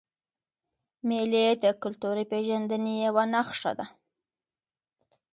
مېلې د کلتوري پیژندني یوه نخښه ده.